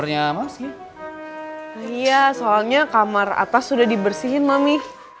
iya soalnya kamar atas sudah dibersihin mami